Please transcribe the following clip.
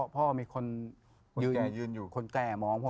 พ่อมีคนแก่มองผมอยู่